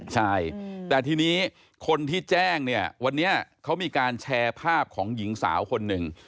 ใช่แต่ทีนี้คนที่แจ้งเนี่ยวันนี้เขามีการแชร์ภาพของหญิงสาวคนหนึ่ง